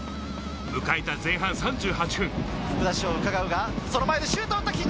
迎えた前半３８分。